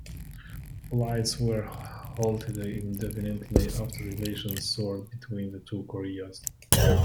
Flights were halted indefinitely after relations soured between the two Koreas.